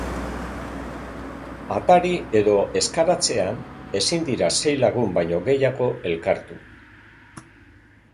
Atari edo ezkaratzean ezin dira sei lagun baino gehiago elkartu.